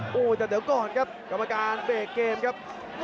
โอ้โหแต่เดี๋ยวก่อนครับกรรมการเบรกเกมครับ